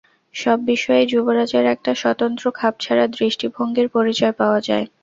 সব বিষয়েই যুবরাজের একটা স্বতন্ত্র খাপছাড়া দৃষ্টিভঙ্গির পরিচয় পাওয়া যায়।